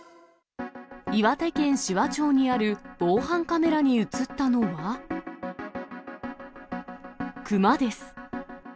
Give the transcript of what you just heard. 岩手県紫波町にある防犯カメラに写ったのは、クマです。